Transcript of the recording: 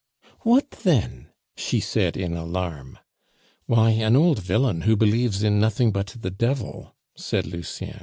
"What then?" she said in alarm. "Why, an old villain who believes in nothing but the devil," said Lucien.